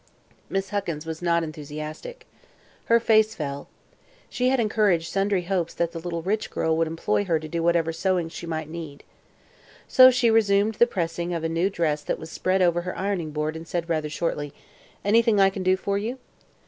Miss Huckins was not enthusiastic. Her face fell. She had encouraged sundry hopes that the rich little girl would employ her to do whatever sewing she might need. So she resumed the pressing of a new dress that was spread over her ironing board and said rather shortly: "Anything I can do for you?"